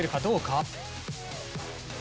どうか？